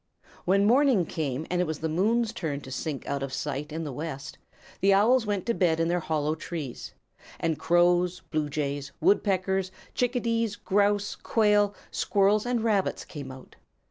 When morning came and it was the moon's turn to sink out of sight in the west, the Owls went to bed in their hollow trees, and Crows, Blue Jays, Woodpeckers, Chickadees, Grouse, Quail, Squirrels, and Rabbits came out.